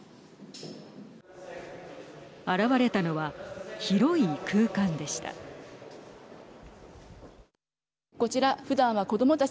現れたのは広い空間でした。